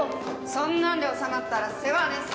そんなんで収まったら世話ねえっす